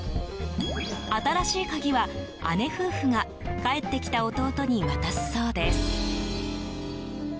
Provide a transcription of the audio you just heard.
新しい鍵は、姉夫婦が帰ってきた弟に渡すそうです。